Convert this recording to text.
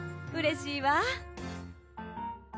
うれしいわ。